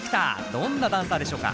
どんなダンサーでしょうか？